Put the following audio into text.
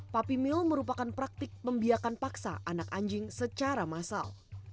tapi mill merupakan praktik membiakan paksa anak anjing secara massal